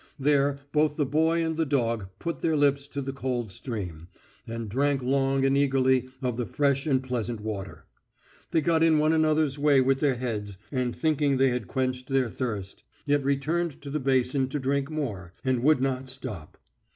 There both the boy and the dog put their lips to the cold stream, and drank long and eagerly of the fresh and pleasant water. They got in one another's way with their heads, and thinking they had quenched their thirst, yet returned to the basin to drink more, and would not stop.